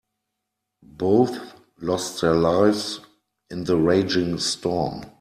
Both lost their lives in the raging storm.